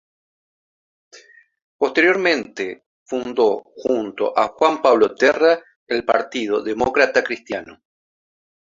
Posteriormente fundó junto a Juan Pablo Terra el Partido Demócrata Cristiano.